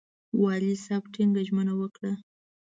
والي صاحب ټینګه ژمنه وکړه.